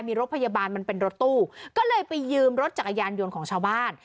มีรถพยาบาลมันเป็นรถตู้ก็เลยไปยืมรถจักรยานยนต์ของชาวบ้าน